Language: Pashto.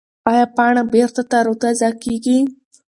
ایا پاڼه بېرته تر او تازه کېږي؟